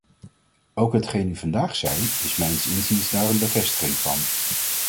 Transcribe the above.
Ook hetgeen u vandaag zei is mijns inziens daar een bevestiging van.